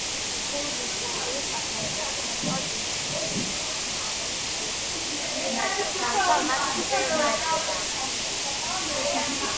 ერთგვარი ვირტუალური სათვალით, ავტომატურად უჩრდილავს მძღოლს თვალების ნაწილს, როცა მას მზე მიადგება.